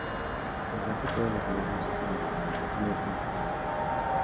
Al igual que todos los monos, es un animal diurno y arbóreo.